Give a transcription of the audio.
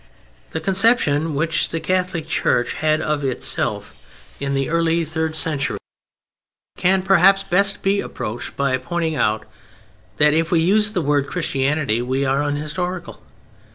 The conception which the Catholic Church had of itself in the early third century can, perhaps, best be approached by pointing out that if we use the word "Christianity" we are unhistorical.